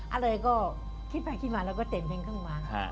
อะไรก็คิดไปคิดมาแล้วก็แต่งเพลงขึ้นมา